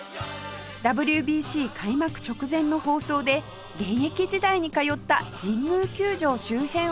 ＷＢＣ 開幕直前の放送で現役時代に通った神宮球場周辺を歩きました